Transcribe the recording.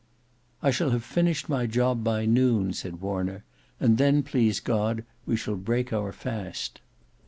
"I shall have finished my job by noon," said Warner; "and then, please God, we shall break our fast."